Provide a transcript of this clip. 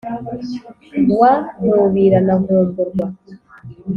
wa nkubira na nkumburwa,